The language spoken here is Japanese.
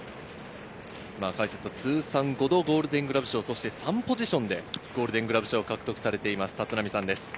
通算５度ゴールデングラブ賞、３ポジションでゴールデングラブ賞を獲得されている立浪さんです。